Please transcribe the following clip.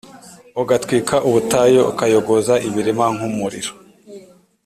ugatwika ubutayu, ukayogoza imirima nk’umuriro.